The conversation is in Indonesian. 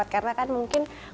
karena kan mungkin